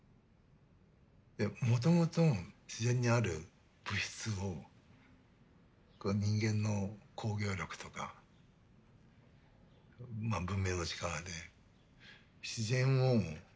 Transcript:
でもともと自然にある物質をこれ人間の工業力とか文明の力で自然を鋳型にはめる。